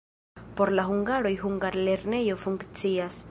Por la hungaroj hungara lernejo funkcias.